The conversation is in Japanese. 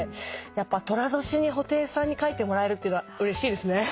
やっぱ寅年に布袋さんに書いてもらえるってうれしいです。